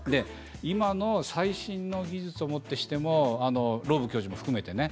今の最新の技術をもってしてもローブ教授も含めてね